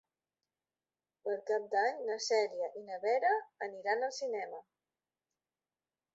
Per Cap d'Any na Cèlia i na Vera aniran al cinema.